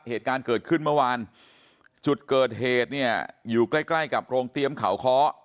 เหตุการณ์เกิดขึ้นเมื่อวานจุดเกิดเหตุเนี่ยอยู่ใกล้ใกล้กับโรงเตรียมเขาเคาะ